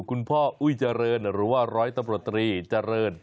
คุณพ่ออุ้ยเจริญหรือว่าร้อยตำรวจตรีเจริญ